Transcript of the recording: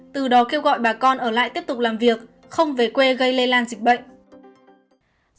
từ đó kêu gọi bà con ở lại tiếp tục làm việc không về quê gây lây lan dịch bệnh